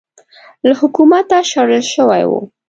له حکومته شړل شوی و